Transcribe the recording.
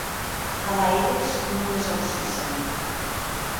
Ada eres non les aucissen.